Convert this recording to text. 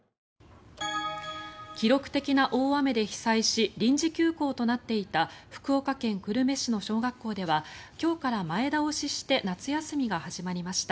記録的な大雨で被災し臨時休校となっていた福岡県久留米市の小学校では今日から前倒しして夏休みが始まりました。